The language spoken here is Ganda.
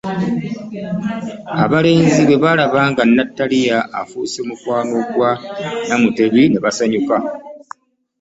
Abalenzi bwe baalaba nga Nnattaliya afuuse mukwano gwa Namutebi ne basanyuka.